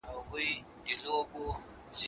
ناسمه غذا ټولنه له فکري بحران سره مخ کوي.